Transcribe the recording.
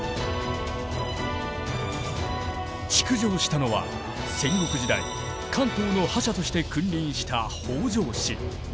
築城したのは戦国時代関東の覇者として君臨した北条氏。